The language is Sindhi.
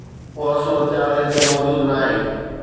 اها صورتحال هتي موجود ناهي.